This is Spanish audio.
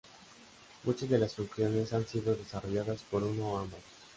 Muchas de las funciones han sido desarrolladas por uno o ambos.